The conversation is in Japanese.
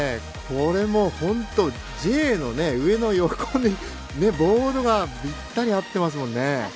これもう、本当にＪの上の横のところにボードがびったり合ってますもんね。